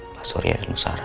mas surya dan tante sarah